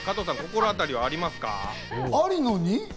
心当たりありますか？